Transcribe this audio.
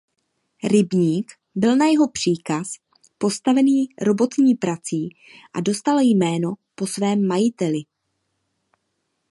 Rybník byl na jeho příkaz postavený robotní prací a dostal jméno po svém majiteli.